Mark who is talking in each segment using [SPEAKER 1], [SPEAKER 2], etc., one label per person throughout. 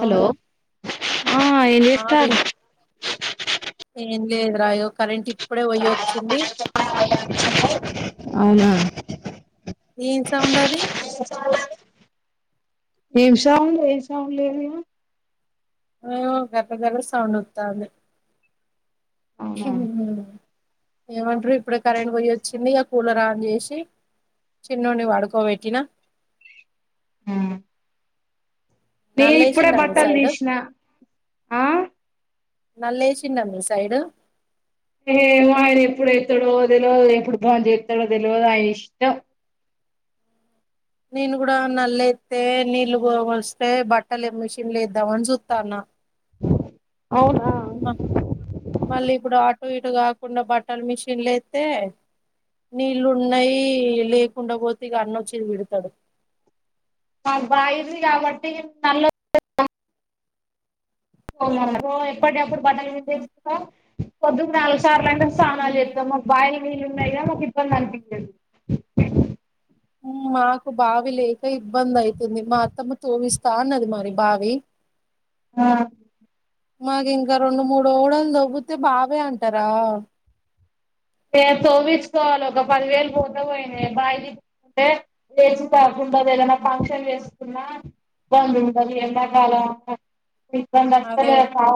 [SPEAKER 1] Hello ఆ ఏం
[SPEAKER 2] ఆ విన్
[SPEAKER 1] చేస్తార్రు
[SPEAKER 2] ఏం లేదు రా ఇగో కరెంట్ ఇప్పుడే పొయ్యోచ్చింది
[SPEAKER 1] చెప్పండి [inaudible] అవునా
[SPEAKER 2] ఏం సౌండ్ అది
[SPEAKER 1] ఏం సౌండ్ ఏం సౌండ్ లేదు
[SPEAKER 2] ఆ గర్ర గర్ర సౌండ్ వత్తాంది
[SPEAKER 1] అవునా
[SPEAKER 2] ఏమంటరు ఇప్పుడే కరెంట్ పోయి ఒచ్చింది ఇగ కూలర్ ఆన్ చేశి చిన్నోడ్ పడుకోబెట్టిన
[SPEAKER 1] ఉం నేనిప్పుడే
[SPEAKER 2] నల్లేసిండా మీ
[SPEAKER 1] బట్టలు
[SPEAKER 2] సైడు
[SPEAKER 1] తీష్ణ ఆ
[SPEAKER 2] నల్లేశిండా మీ సైడ్
[SPEAKER 1] ఏమో ఆయన ఎప్పుడేత్తడో తెలువదు ఎప్పుడు బా చెత్తడో తెలువదు ఆయనిష్టం
[SPEAKER 2] నేను కుడా నల్లేత్తే నీళ్లు వస్తే బట్టలు మిషన్ లేద్దామని సూత్తాన
[SPEAKER 1] అవునా
[SPEAKER 2] మల్లిప్పుడు అటు ఇటు కాకుండ బట్టలు మిషిన్లెత్తే నీళ్లున్నయి లేకుండ పోతిగ అన్నొచ్చి తిడ్తడు
[SPEAKER 1] కాదు బాయిది కాబట్టి [inaudible] ఓ ఎప్పుటియప్పుడు పొద్దున్ నాలుగు సార్లైన సానాలు చెత్తం వాళ్ళు వీళ్ళు ఉన్నరుకద మాకిబ్బందనిపించింది
[SPEAKER 2] మాకు బావి లేక ఇబ్బందైతుంది మా అత్తమ్మ తోవిస్తా అన్నది మరి బావి
[SPEAKER 1] ఆ
[SPEAKER 2] మాకింక రెండు మూడు ఓడలు తొవ్వితే బావే అంటరా
[SPEAKER 1] ఏ తొవ్విచ్కోవాలే ఒక పదివేలు పోతే పోయిన బాయి తీ తే [inaudible] కాకుండ ఏదన్న ఫంక్షన్ చేస్కున్నా ఇబ్బందుంటది ఎండాకాలం
[SPEAKER 2] అదే
[SPEAKER 1] ఇబ్బందస్సలే సా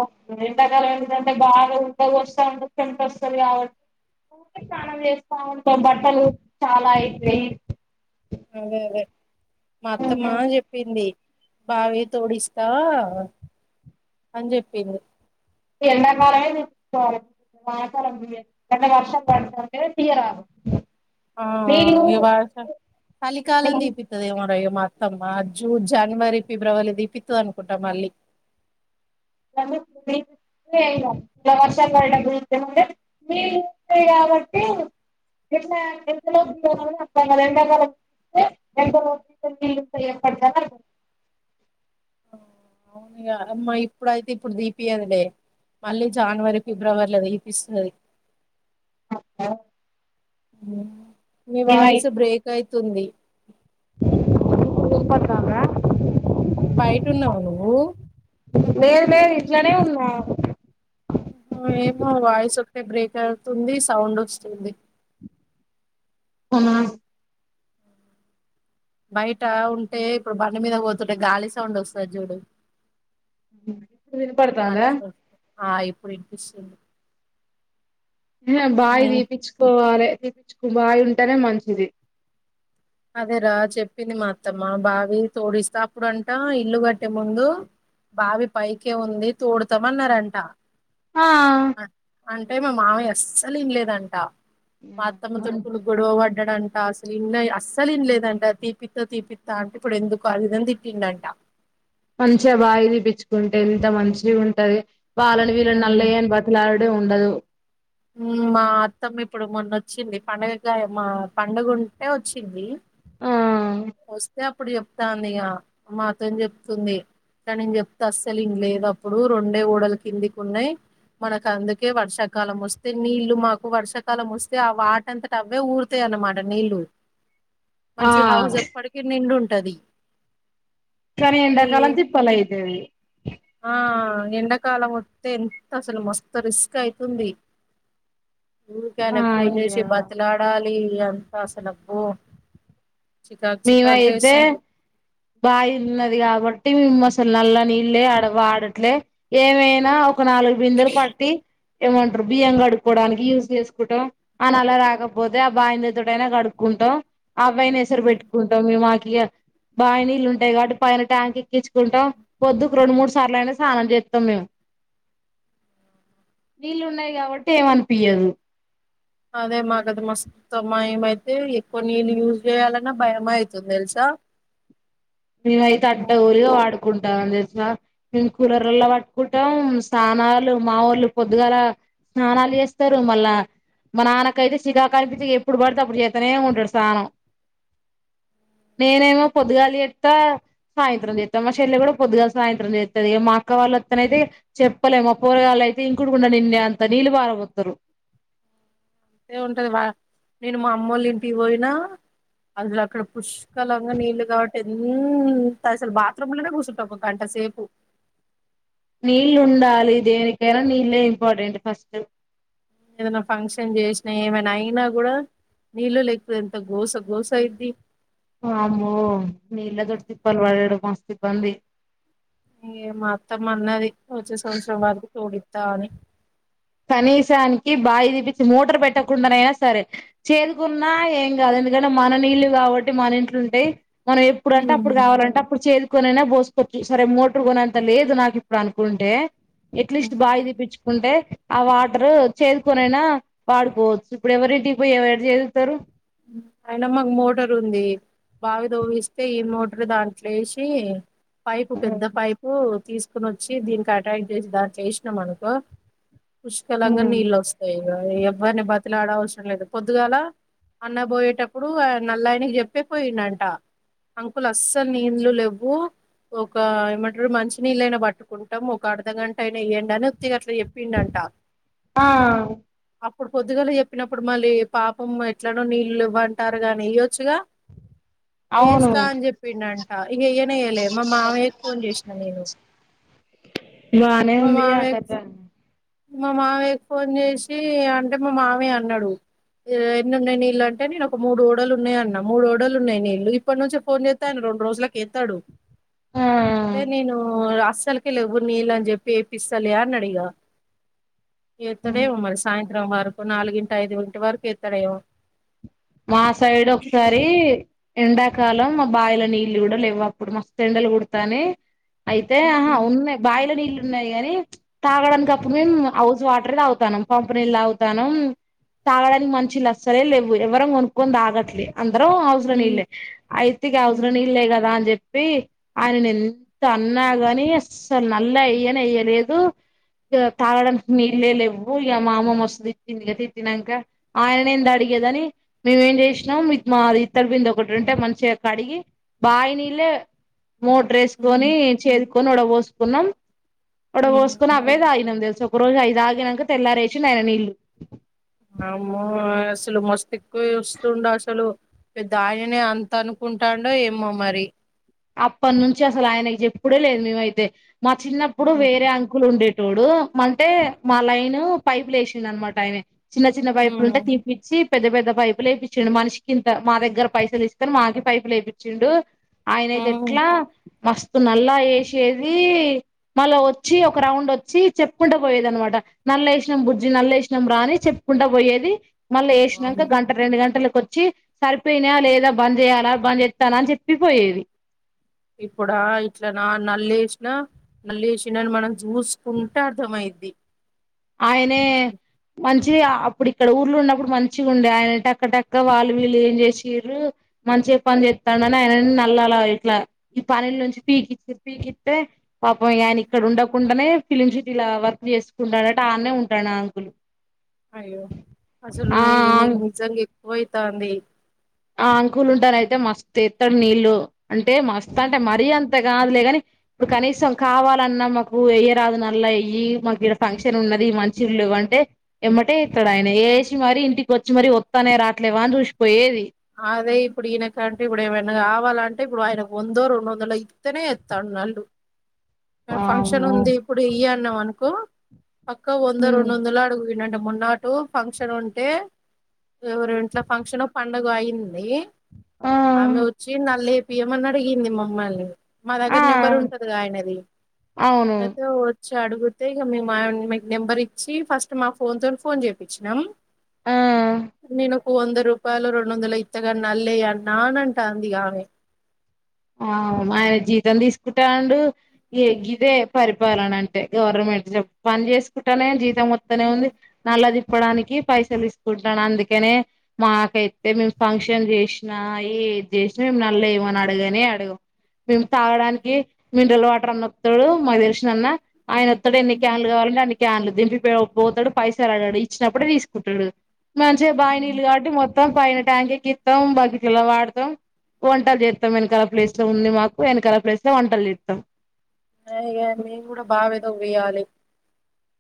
[SPEAKER 1] ఎండాకాలం ఏంటంటే బాగా ఉడ్క పోస్తా ఉంటది చమ్టోస్తది కాబ ట్టి స్నానం చేస్తా ఉంటాం బట్టలు చాలా ఐతయి
[SPEAKER 2] అదే అదే మా అత్తమ్మా చె ప్పింది బావి తోడిస్తా అని చెప్పింది
[SPEAKER 1] ఈ ఎండాకాలమే [inaudible] వానాకాలం అంటే వర్షం పడుతుంటే తీయరా
[SPEAKER 2] ఆ ఆ ఆ ఇగ వర్షం చళికాలం తీపి త్తదేమోర ఇగ మా అత్తమ్మ జూన్ జాన్వరి ఫిబ్రవరిల తీపిత్తదనుకుంటా మళ్లీ
[SPEAKER 1] [inaudible] ఏం కాదు ఈగ వర్షాలు పడేటప్పుడు కూడా [unintelligible] [unintelligible] ఎండాకాలం [unintelligible] [unintelligible]
[SPEAKER 2] అవ్నుగా అమ్మా ఇప్పుడయితే ఇప్పుడు దీపీయ్యదులే మళ్ళీ జాన్వరి, ఫిబ్రవరిల తీపిస్తది
[SPEAKER 1] అ ఆ
[SPEAKER 2] మీ వాయిస్ బ్రేక్ అయితుంది
[SPEAKER 1] ఇప్పుడు వినపడ్తాందా
[SPEAKER 2] బైటున్నవ నువ్వు
[SPEAKER 1] లేదు లేదు ఇంట్లోనే ఉన్న
[SPEAKER 2] ఏమో వాయిస్ [unintelligible] బ్రేక్ అవుతుంది సౌండ్ ఒస్తుంది
[SPEAKER 1] అవునా
[SPEAKER 2] బయట ఉంటే ఇప్పుడు బండ మీద పోతుంటే గాలి సౌండ్ వస్తుంది చూడు
[SPEAKER 1] ఇప్పుడు వినపడతాంద
[SPEAKER 2] అట్లా ఆ ఇప్పుడు ఇనింపిస్తోంది
[SPEAKER 1] బావి
[SPEAKER 2] ఏం
[SPEAKER 1] తీపించుకోవాలి తీపించుకో బావి ఉంటేనే మంచిది
[SPEAKER 2] అదేర చెప్పింది మా అత్తమ్మ బావి తోడిస్తా అప్పుడుంటా ఇల్లు కట్టే ముందు బావి పైకే ఉంది తోడుతామన్నారంట
[SPEAKER 1] ఆ
[SPEAKER 2] అంటే మా మామయ్య అస్సలు ఇంలేదంట మా అత్తమ్మ తుడుకులు గొడవ పడ్డాడంట అసలు ఇండ్లే అసలు ఇండ్లేదంటా తీపిత్త తీపిత్త అంటే ఇప్పుడు ఎందుకు ఆ విధం తిట్టిండంట
[SPEAKER 1] మంచిగా బాగా తీపించుకుంటే ఇంత మంచిగా ఉంటది వాళ్ళని
[SPEAKER 2] ఉమ్
[SPEAKER 1] వీళ్ళని [unintelligible] ఉండదు
[SPEAKER 2] మా అత్తమ్మ ఇప్పుడు మొన్న వచ్చింది పండుగగా మా పడుగ ఉంటే వచ్చింది
[SPEAKER 1] ఆ
[SPEAKER 2] వస్తే అప్పుడు చెప్తాంది ఇక మాతోని చెప్తుంది ఇ నేను చెప్తే అస్సలు ఇంక లేదు అప్పుడు రెండ [unintelligible] కిందికి ఉన్నాయి మనకు అందుకే వర్షాకాలం వస్తే నీళ్లు మాకు వర్షాకాలం వస్తే ఆ వాటం అవ్వే ఊరుతాయి అన్మాట నీళ్లు
[SPEAKER 1] ఆ
[SPEAKER 2] మంచి హౌస్ ఎప్పటికీ నిండుంటది
[SPEAKER 1] కానీ ఎండ కాలం తిప్పల [unintelligible]
[SPEAKER 2] ఆ ఎండకాలం వస్తే ఎంత అసలు మస్త్ రిస్క్ అయితుంది ఊరికకే
[SPEAKER 1] ఆ
[SPEAKER 2] ఆనకు ఫోన్ చేసి
[SPEAKER 1] అయ్యో
[SPEAKER 2] బతిలాడాలి అంత అసలువబ్బవు [unintelligible]
[SPEAKER 1] బాగిన్నది కాబట్టి [unintelligible] అసలు నల్ల నీళ్ళ ఆడవా ఆడట్లే ఏమైనా ఒక నాలుగు బిందెలు పట్టి ఏమంటారు బియ్యం కడుక్కకోవడానికి యూజ్ చేసుకుంటాం అన అలా రాకపోతే ఆ బాయందదుడైనా కడుక్కుంటాం అబ్బాయిని ఎసురు పెట్ కుంటాం మాకి ఇక బాయి నీళ్ళు ఉంటాయి కాబట్టి పైన ట్యాంక్ ఎక్కించుకుంటాం పొద్దు రొండు మూడు సార్లు అయిన స్నానం చేస్తాం మేము నీళ్లు ఉన్నాయి కాబట్టి ఏమనిపయదు
[SPEAKER 2] అదే మగదు మస్ మొత్తమైతే ఎక్కువ నీళ్ళు యూజ్ చేయాలన్నా భయమ అవుతుంది తెలుసా
[SPEAKER 1] మేమైతే అడ్డ
[SPEAKER 2] మోస్తె
[SPEAKER 1] ఊరిగ వాడుకుంటాం అ తెల్సా మేము కూలర్లో పట్టుకుంటాం స్నానాలు మావళ్ళు పొద్దుగాల స్నానాలు చేస్తారు మళ్ళా మా నాన్న [unintelligible] చి ఎప్పుడు పడితే అప్పుడు చేతనే ఉంటాడు స్హనం నేనేమో పొదగాలి [unintelligible] అత్త సాయంత్రం చేస్తాం మా చెల్లె కూడ పొద్దుగాల సాయంత్రం చేస్తుది మా అక్క వాళ్ళు అత్తన అయితే చెప్పలేమ పోరగాళ్లు అయితే ఇండు కూడాండ నిన్నే అంత నీళ్ళు బారవదురు
[SPEAKER 2] [unintelligible] ఉంటది వా నేను మా అమ్మ ఒళ్ళ ఇంటికి పోయినా అసలు అక్కడ పుష్కలంగా నీళ్లు కాబట్టి ఎంత అసలు బాత్రూమ్ లోనే కుసుంట గంటసేపు
[SPEAKER 1] నీళ్లు ఉండాలి దేనికైనా నీళ్ళే ఇంపార్టెంట్ ఫస్ట్
[SPEAKER 2] ఏదనా ఫంక్షన్ చేసినా ఏమైనా అయినా కూడా నీళ్ళు లే [unintelligible] ఎంత గోస గోస అయిది
[SPEAKER 1] అమ్మో నీళ్ళతోటి ఇబ్బంది పడడము మస్త్ ఇబ్బంది
[SPEAKER 2] మా అత్తమా అన్నది వచ్చే సంవత్సరం వరకు చూడిద్దా అని
[SPEAKER 1] కనీసానికి బావి తీపించి మోటార్ పెట్టకుండనయినా సరే చేదుకున్నా ఏం కాదు ఎందుకంటే మన నీళ్ళు కాబట్టి మన ఇంట్లుంటే మనం ఎప్పుడు అంటే
[SPEAKER 2] అని
[SPEAKER 1] అప్పుడు కావాలంటే అప్పుడు చే కొనైనా పోసుకోవచ్చు సరే మోటర్ కొనేంత లేదు నాకు ఇప్పుడు అనుకుంటే ఎట్లీస్ట్ బావి తీపిచ్చుకుంటే ఆ వాటర్ చేదుకొనైనా వాడుకోవచ్చు ఇప్పుడు ఎవరింటి పోయి ఎవరు చేదుతారు
[SPEAKER 2] అయిన మాకు మోటర్ ఉంది బావి దోవిస్తే ఈ మోటర్ దాంట్లోసి పైపు పెద్ద పైపు తీసుకు వచ్చి దీనికి అటాక్ట్ చేసి దాన్ని చేసినాం అనుకో పుష్కలంగా నీళ్ళు వస్తాయి ఎవరిని బతిలాడ అవసరం లేదు పొద్దుగాల అన్న పోయేటప్పుడు నల్లయనకి చెప్పే పోయిండంట అంకులు అస్సలు నీళ్లు లేవ్వు ఒక ఏమంటారు మంచి నీళ్ళైనా పట్టుకుంటాం ఒక అర్ధగంట అయినా ఇయ్యాండి అని ఒత్తిగా అట్లా చె పిండంట
[SPEAKER 1] ఆ
[SPEAKER 2] అప్పుడు పొద్దుగాల చెప్పినప్పుడు మళ్ళీ పాపం ఎట్లనో నీళ్ళు లెవ్వంటారు గాని ఇయ్యొచ్చుగా
[SPEAKER 1] అవును
[SPEAKER 2] చేస్తా అని చెప్ పిండంట ఇక ఇయ్యనేయ్యలే మా మామయ్యకి ఫోన్ చేసినాను నేను
[SPEAKER 1] బానే
[SPEAKER 2] మా
[SPEAKER 1] ఉందిలే
[SPEAKER 2] మామయ్య
[SPEAKER 1] అత్తత్త
[SPEAKER 2] మా మావయ్య ఫోన్ చేసి అంటే మా మావయ్య అన్నాడు ఎన్ని ఉన్నాయి నీళ్లు అంటే నేను ఒక మూడు ఒడలు ఉన్నాయి అన్న మూడు ఒడళ్లు ఉన్నాయి నీళ్లు ఇప్పటి నుంచి ఫోన్ చేస్ తడు రెండు రోజులకేతాడు
[SPEAKER 1] ఆ
[SPEAKER 2] తే నేను అస్సలకి లెవ్వు నీళ్ళు అని చెప్పి ఏపిస్తలే అన్నడిగ ఎత్తడేవో
[SPEAKER 1] ఉమ్
[SPEAKER 2] మరి సాయంత్రం వరకు నాలుగింట ఐదు గంట వరకు ఎత్తడేవో
[SPEAKER 1] మా సైడ్ ఒకసారి దీ ఎండాకాలం మా బావిల నీళ్లు కూడా లేవు అప్పుడు మస్తు ఎండలు కుడుతానే అయితే ఆహా
[SPEAKER 2] ఉమ్
[SPEAKER 1] ఉన్నాయి బావిల నీళ్లు ఉన్నాయి గాని తాగడానికప్పుడు మేము హౌస్ వాటరే తాగుతాన్నం పంపునీళ్ళ తాగుతాన్నం తాగడానికి మంచినీల్లు అస్సలే లేవు ఎవ్వరం కొనుక్కొని తాగట్లే అందరం అవసర
[SPEAKER 2] ఉమ్
[SPEAKER 1] నీళ్ళ అయితే ఇగ అవసర
[SPEAKER 2] ఉమ్
[SPEAKER 1] నీళ్ళే కదా అని చెప్పి ఆయన ఎంత అన్నాగాని అస్సలు నల్ ఎయ్యని ఎయ్యలేదు ఇ తాగడానికి నీళ్ళే లేవ్వు ఇక మామమ్ మస్తుం ఇచ్చింది కద త తినాక ఆయనేంది అడిగేదని మేమేం చేసినాం మీ మాది ఇత్తడి బింది ఒకటి ఉంటే మంచిగా కడిగి బాయినీళ్లే మో ట్రే సుకొని
[SPEAKER 2] ఉమ్
[SPEAKER 1] చేదుకొని ఒడ పోసుకున్నాం ఒడ పోసుకొని
[SPEAKER 2] ఉమ్
[SPEAKER 1] అవే తాగినం తెలుస రోజు అవి తాగినంక తెల్లారి ఏసిండు నీళ్లు
[SPEAKER 2] అమ్మో అసలు మస్త్ ఎక్కువ చేస్తుండు అసలు దానిని అంత అనుకుంటాండో ఏమో మరి
[SPEAKER 1] అప్పటి నుంచి అసలు ఆయనకి చెప్పుడే లేదు మేమైతే మా చిన్నప్పుడు
[SPEAKER 2] హ్మ్
[SPEAKER 1] వేరే అంకులు ఉండే చూడు అంటే మా లైన్ పైపులు వేసింది అనమాట ఆయన చిన్న చిన్న పైపులు ఉంటే
[SPEAKER 2] హ్మ్
[SPEAKER 1] తీ ఇచ్చి పెద్ద పెద్ద పైపులు వయిచ్చిండు మనిషికి ఇంత మా దగ్గర పైసలు ఇస్తకని మాకి పైపు వయిచ్చిండు ఆయనయితే
[SPEAKER 2] హ్మ్.
[SPEAKER 1] ఎట్లా మస్తు నల్లా వేసేది మళ్ళా వచ్చి ఒక రౌండ్ వచ్చి చెప్పుకుంట పోయేది అన్మాట నల్ల ఎసినం బుజ్జి నల్ల ఎసినం రా అని చెప్పుకుంటా పోయేది మళ్ళీ
[SPEAKER 2] వామ్మో!
[SPEAKER 1] వేసిన్నక గం రెండు గంటలకొచ్చి సరిపోయినా లేదా బంజెయ్యాలా బంజెత్తనా అని చెప్పి పోయేది.
[SPEAKER 2] ఇప్పుడా ఇట్లనా నల్లెసిన నల్లెసిండని మనం చూస్కుంటే అర్ధంమైంది
[SPEAKER 1] ఆయనే మంచిది అప్పుడు ఇక్కడ ఊర్లో ఉన్నప్పుడు మంచిగుండే ఆయన టక్క టక్క వాళ్ళు వీళ్ళు ఏం చేసిర్రు మంచిగా పని చెత్తడని ఆయనని నల్లలా ఇట్ల ఈ పనిల్నుంచి పీకి పీకి ఇత్తే పాపం ఇగ ఆయన ఇక్కడ ఉండకుండానే ఫిలిం సిటీలా వర్క్ చేసుకుంటాడట ఆనే ఉంటడు ఆ అంకు
[SPEAKER 2] అయ్యో అసలు నెయి
[SPEAKER 1] ఆ
[SPEAKER 2] నీకు నిజంగా ఎక్కువవుతాంది
[SPEAKER 1] ఆ అంకులు ఉంటనయితే మస్త్ ఎత్తడు నీళ్లు అంటే మస్తు అంటే మరీ అంత కాదులే గని ఇప్పుడు కనీసం కావాలన్నా మాకు ఎయ్యరాదు నల్ల ఎయ్యి మాకిడ ఫంక్షన్ ఉన్నది మంచిళ్ లేవంటే ఎమ్మటే ఎత్తడు ఆయన ఎసి మరి ఇంటికి వచ్చి మరి వత్తానయ రాట్లేవా అని చూసిపోయేది
[SPEAKER 2] అదే ఇప్పుడు ఈయనకడికి కుడా ఏమన్న కావాలంటే ఇప్పుడు ఆయనకు వందో రెండో వందలో ఇత్తనే ఎతాండు నల్లు ఫంక్షన్
[SPEAKER 1] వామ్మో
[SPEAKER 2] ఉంది ఇప్పుడు ఎయి అన్నాం అనుకో పక్క వందో రెండోందలో అడుగింట మొన్న ఇప్పుడు ఫంక్షన్ ఉంటే ఎవరో ఇంట్ల ఫంక్షనో పండగో అయింది
[SPEAKER 1] ఆ
[SPEAKER 2] ఆమె వచ్చి నల్ల ఎపియమని అడిగింది మమ్మల్ని మా
[SPEAKER 1] ఆ
[SPEAKER 2] దగ్గర నెంబర్ ఉంటదిగా ఆయనది
[SPEAKER 1] ఆ అవును
[SPEAKER 2] అయితే వచ్చి అడుగుతే ఇగ మీ మా మీక్ నెంబర్ ఇచ్చి ఫస్ట్ మా ఫోన్ తో ఫోన్ చేపిచ్చినం
[SPEAKER 1] ఆ
[SPEAKER 2] నేనొక వంద రూపాలో రెండోందలో ఇత్త గన్ నల్లెయి అన్న అని అంట అంది ఆమె
[SPEAKER 1] ఆయన జీతం తీసుకుంటాండు ఇయ గిదే పరిపాలన అంటే గవర్నమెంట్ పన్ చేసుకుంటానే జీతం వత్తనే ఉంది. నల్ల తిప్పడానికి పైసల్ తిసుకుంటాండు అందుకనే మాకైతే మేమ్ ఫంక్షన్ చేసినా ఏద్ చేసినా మేమ్ నల్ ఏయ అడగనే అడగం మేమ్ తాగడాన్కి మినరల్ వాటరన్న వత్తడు మాక్ తెలిసినన్నా ఆయన ఒత్తాడు ఎన్ని క్యాన్లు కావాలంటే అన్ని క్యాన్లు దింపి పె పోతడు పైసల్ ఆడగడు ఇచ్చినప్పుడే తీసుకుంటడు మంచిగా బాయినీళ్లు కావట్టి మొత్తం పైన ట్యాంకెక్కిత్తం బకిట్లలా వాడతం వంటల్ చేత్తం ఎనకాల ప్లేస్ లో ఉంది మాకు ఎనకాల ప్లేస్ లో వంటల్ చేత్తం
[SPEAKER 2] మేమ్ కుడా బావె తోవ్వియాలి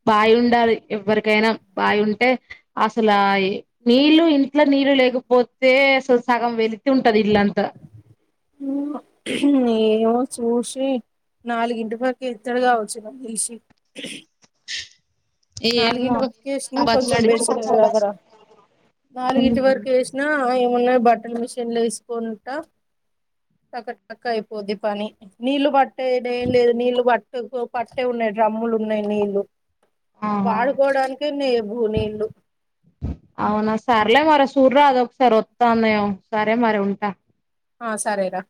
[SPEAKER 1] బాయి ఉండాలి ఎవరికైన బాయి ఉంటే అసల నీళ్లు ఇంట్ల నీరు లేకపోతే అసలు సగం వెళితి ఉంటది ఇల్లంతా
[SPEAKER 2] ఏమో చూసి నాలుగింటి వరక్ ఇత్తడ్ కావచ్చు పిలిసి
[SPEAKER 1] ఏమో
[SPEAKER 2] నాలుగింటి వరకు ఎసినా
[SPEAKER 1] ఇంతగానం
[SPEAKER 2] కొంచెం బెస్టే
[SPEAKER 1] బతిలాడించుకుంటూ
[SPEAKER 2] కదరా నాలుగింటి వరకు ఎస్ ఏమున్నాయి బట్టల్ మిషన్ లో ఎసుకోంట టక టక అయిపోద్ది పని నీళ్లు పట్టేడేం లేద్ నీళ్లు పట్టుకొ పట్టే ఉన్నయి డ్రమ్ములు ఉన్నయి నీళ్లు
[SPEAKER 1] ఆహా
[SPEAKER 2] వాడుకోడానికె లెవు నీళ్లు
[SPEAKER 1] అవునా సర్లే మరి సూర్రాదు ఒక్సారి వత్తదెమో సరే మరి ఉంట
[SPEAKER 2] ఆ సరేరా